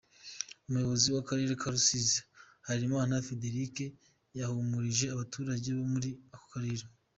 Umuyobozi w’Akarere ka Rusiz,i Harerimana Frederic yahumurije abaturage bo muri ako karere.